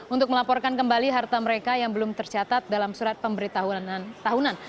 untuk melaporkan kembali harta mereka yang belum tercatat dalam surat pemberitahuan tahunan